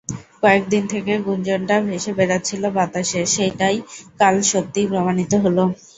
কয়েক দিন থেকে গুঞ্জনটা ভেসে বেড়াচ্ছিল বাতাসে, সেটাই কাল সত্যি প্রমাণিত হলো।